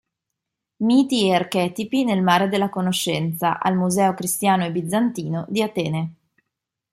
Miti e archetipi nel mare della conoscenza", al Museo Cristiano e Bizantino di Atene.